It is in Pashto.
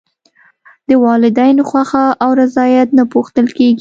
د والدینو خوښه او رضایت نه پوښتل کېږي.